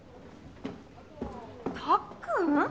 たっくん！？